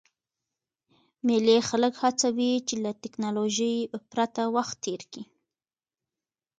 مېلې خلک هڅوي، چي له ټکنالوژۍ پرته وخت تېر کي.